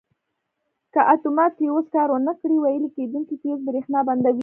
که اتومات فیوز کار ور نه کړي ویلې کېدونکی فیوز برېښنا بندوي.